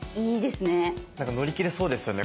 なんか乗り切れそうですよね